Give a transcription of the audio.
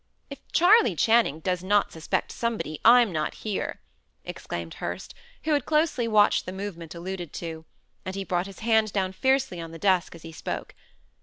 "If Charley Channing does not suspect somebody, I'm not here," exclaimed Hurst, who had closely watched the movement alluded to; and he brought his hand down fiercely on the desk as he spoke.